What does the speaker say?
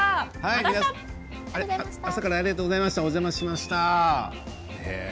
朝からありがとうございました。